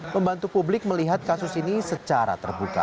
membantu publik melihat kasus ini secara terbuka